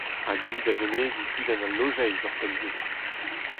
Hag hi da venegiñ kudenn al lojeiz ouzhpenn-se.